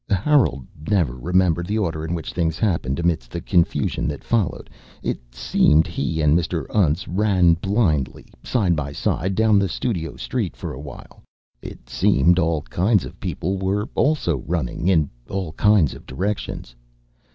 Harold never remembered the order in which things happened amidst the confusion that followed. It seemed he and Mr. Untz ran blindly, side by side, down the studio street for awhile. It seemed all kinds of people were also running, in all kinds of directions.